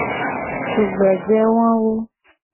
Tugbeje wawo.